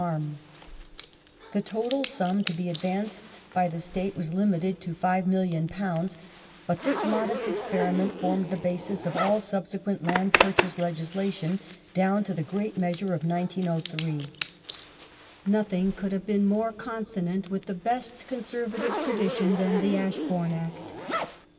33 514 DEMOCRACY AND EMPIRE [1885 The total sum to be advanced by the State was limited to £5,000,000/ but this modest experiment formed the basis of all subsequent land purchase legislation down to the great measure of 1903.'^ Nothing could have been more consonant with the best Conservative tradition than the Ashbourne Act.